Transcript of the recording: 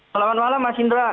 selamat malam mas indra